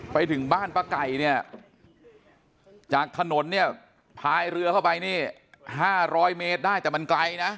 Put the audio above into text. ไปถึงบ้านป้าไก่เนี่ยจากถนนเนี่ยพายเรือเข้าไปนี่๕๐๐เมตรได้แต่มันไกลนะ